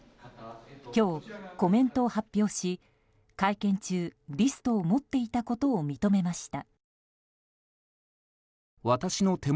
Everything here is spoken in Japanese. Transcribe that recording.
今日、コメントを発表し会見中リストを持っていたことを認めました。